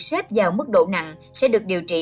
xếp vào mức độ nặng sẽ được điều trị